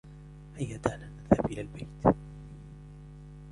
هيا. دعنا نذهب إلى البيت.